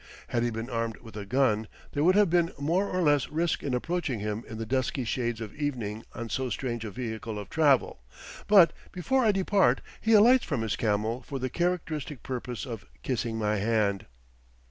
Had he been armed with a gun, there would have been more or less risk in approaching him in the dusky shades of evening on so strange a vehicle of travel; but before I depart he alights from his camel for the characteristic purpose of kissing my hand.